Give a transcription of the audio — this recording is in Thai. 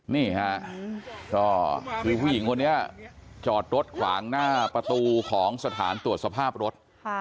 นี่ฮะก็คือผู้หญิงคนนี้จอดรถขวางหน้าประตูของสถานตรวจสภาพรถ